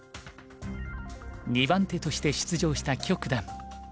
２番手として出場した許九段。